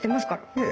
いえ。